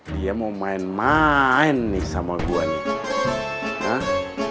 dia mau main main nih sama gua nih